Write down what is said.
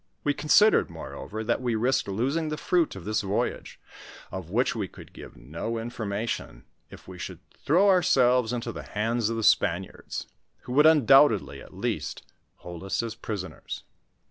We considered, moreover, that we risked losing the fruit of this voyage, of which we could give no information, if we should throw ourselves into the hands of the Spaniards, who would undoubtedly, at least, hold us as prisoners.